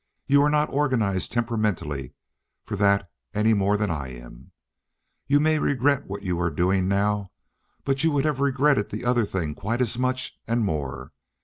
You are not organized temperamentally for that any more than I am. You may regret what you are doing now, but you would have regretted the other thing quite as much and more.